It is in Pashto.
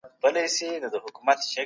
ولي د دلیل ارزونه مهمه ده؟